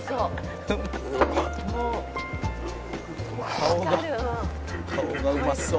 「顔が顔がうまそう」